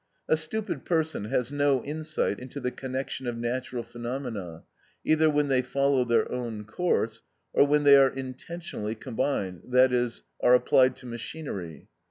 A stupid person has no insight into the connection of natural phenomena, either when they follow their own course, or when they are intentionally combined, i.e., are applied to machinery.